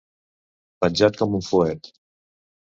Penjat com un fuet.